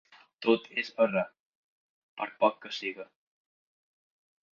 Tot és errar, per poc que siga.